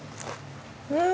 うん！